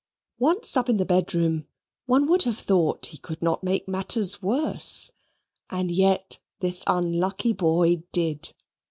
Once up in the bedroom, one would have thought he could not make matters worse; and yet this unlucky boy did.